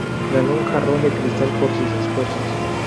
Ganó un jarrón de cristal por sus esfuerzos.